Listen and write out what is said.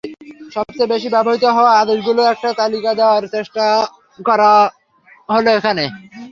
সবচেয়ে বেশি ব্যবহৃত হওয়া আদেশগুলোর একটা তালিকা দেওয়ার চেষ্টা করা হলো এখানে।